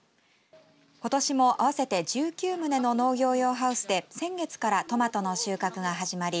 ことしも合わせて１９棟の農業用ハウスで先月からトマトの収穫が始まり